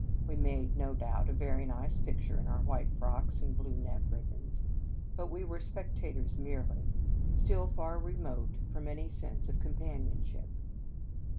We made, no doubt, a very nice picture in our white frocks and blue neck ribbons; but we were spectators merely, still far re 119 In Our Convent Days mote from any sense of companion ship.